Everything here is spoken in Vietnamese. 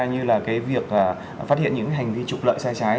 như là cái việc phát hiện những hành vi trục lợi sai trái